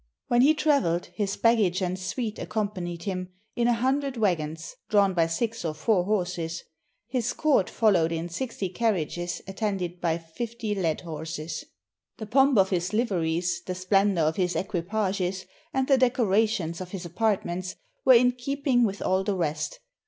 When he traveled, his bag gage and suite accompanied him in a hundred wagons, drawn by six or four horses; his court followed in sixty carriages, attended by fifty led horses. The pomp of his liveries, the splendor of his equipages, and the deco rations of his apartments, were in keeping with all the rest.